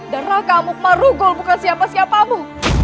dan raka amuk marugul bukan siapa siapamu